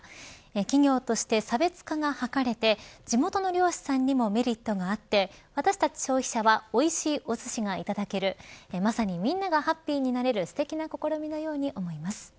企業として差別化が図れて地元の漁師さんにもメリットがあって私たち消費者はおいしいお寿司がいただけるまさにみんながハッピーになれるすてきな試みのように思います。